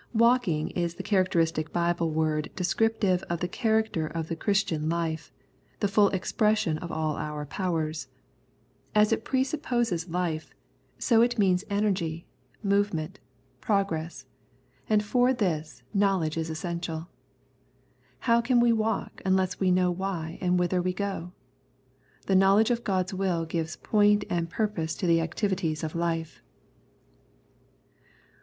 " Walking " is the characteristic Bible word descriptive of the character of the Christian life, the full expression of all our powers. As it presupposes life, so it means energy, move 63 The Prayers of St. Paul ment, progress ; and for this, knowledge is essential. How can we walk unless we know why and whither we go ? The knowledge of God's will gives point and purpose to the activities of life.